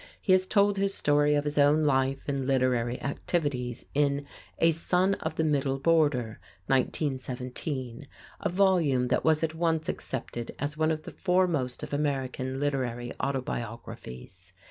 He has told his story of his own life and literary activities in "A Son of the Middle Border" (1917), a volume that was at once accepted as one of the foremost of American literary autobiographies.